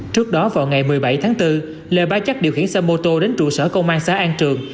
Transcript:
trước đó vào ngày một mươi bảy tháng bốn lê bá chắc điều khiển xe mô tô đến trụ sở công an xã an trường